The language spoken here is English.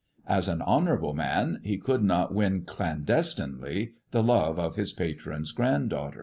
As an honourable man he could not win clandestinely the love of his patron's grand daughter.